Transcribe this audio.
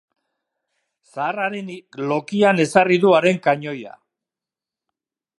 Zaharraren lokian ezarri du haren kanoia.